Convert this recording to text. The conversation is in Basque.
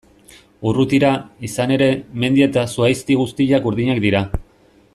Urrutira, izan ere, mendi eta zuhaizti guztiak urdinak dira.